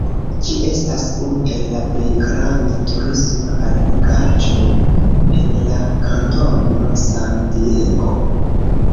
Ĝi estas unu el la plej granda turisma allogaĵo en la kantono San Diego.